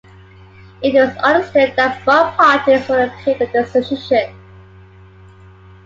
It was understood that both parties would appeal the decision.